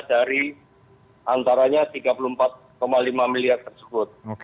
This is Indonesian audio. dari antaranya rp tiga puluh empat lima miliar tersebut